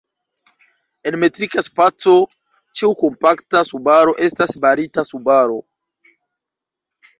En metrika spaco, ĉiu kompakta subaro estas barita subaro.